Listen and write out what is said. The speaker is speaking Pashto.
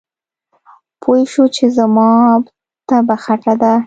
پوی شو چې زما طبعه خټه ده.